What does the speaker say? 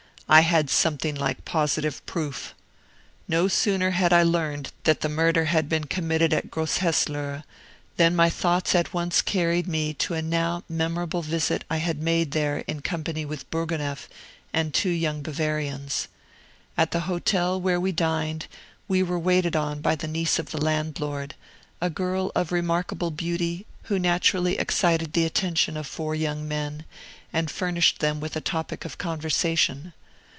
I had something like positive proof. No sooner had I learned that the murder had been committed at Grosshesslohe, than my thoughts at once carried me to a now memorable visit I had made there in company with Bourgonef and two young Bavarians. At the hotel where we dined, we were waited on by the niece of the landlord, a girl of remarkable beauty, who naturally excited the attention of four young men, and furnished them with a topic of conversation.